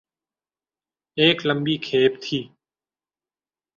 ایک لمبی کھیپ تھی۔